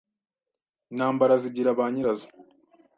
intambara zigira ba nyirazo